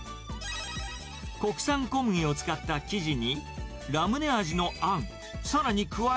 国産小麦を使った生地に、ラムネ味のあん。